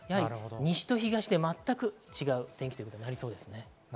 西と東で全く違う天気となりそうです。